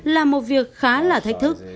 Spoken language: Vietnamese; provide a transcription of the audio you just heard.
là một việc khá là thách thức